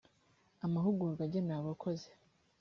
amahugurwa agenewe abakozi